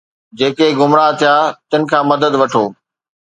جيڪي گمراھ ٿيا آھن تن کان مدد وٺو